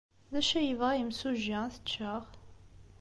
D acu ay yebɣa yimsujji ad t-ččeɣ?